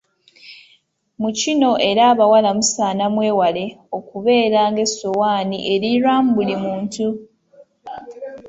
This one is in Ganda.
Mu kino era abawala musaana mwewalae okubeera ng'essowaani erirwamu buli muntu.